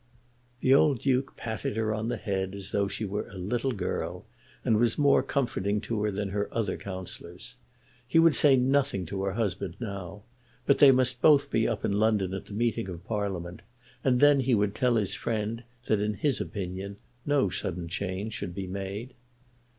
The old Duke patted her on the head as though she were a little girl, and was more comforting to her than her other counsellors. He would say nothing to her husband now; but they must both be up in London at the meeting of Parliament, and then he would tell his friend that, in his opinion, no sudden change should be made.